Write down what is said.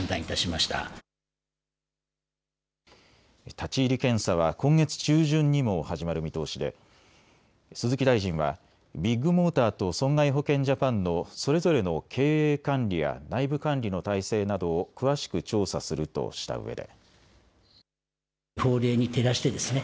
立ち入り検査は今月中旬にも始まる見通しで鈴木大臣はビッグモーターと損害保険ジャパンのそれぞれの経営管理や内部管理の体制などを詳しく調査するとしたうえで。